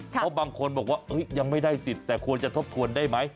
เพราะบางคนบอกว่ายังไม่ได้สิทธิ์แต่ควรจะทบทวนได้ไหม